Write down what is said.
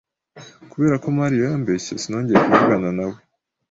Kubera ko Mario yambeshye, sinongeye kuvugana nawe.